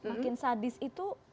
makin sadis itu